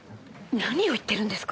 何を言ってるんですか！